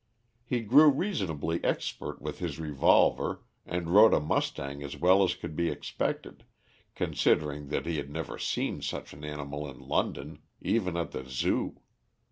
He grew reasonably expert with his revolver and rode a mustang as well as could be expected, considering that he had never seen such an animal in London, even at the Zoo.